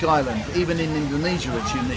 bahkan di indonesia juga unik